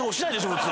普通。